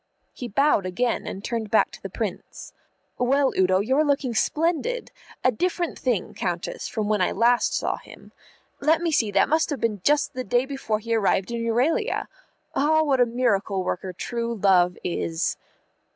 He bowed again, and turned back to the Prince. "Well, Udo, you're looking splendid. A different thing, Countess, from when I last saw him. Let me see, that must have been just the day before he arrived in Euralia. Ah, what a miracle worker True Love is!"